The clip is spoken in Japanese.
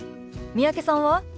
三宅さんは？